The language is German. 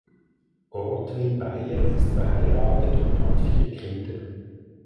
Ortwin Baier ist verheiratet und hat vier Kinder.